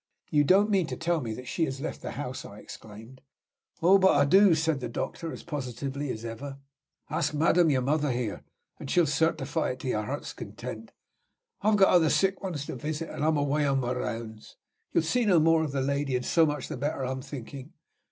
'" "You don't mean to tell me that she has left the house?" I exclaimed. "Oh, but I do!" said the doctor, as positively as ever. "Ask madam your mother here, and she'll certify it to your heart's content. I've got other sick ones to visit, and I'm away on my rounds. You'll see no more of the lady; and so much the better, I'm thinking.